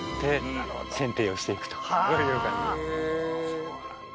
そうなんだ。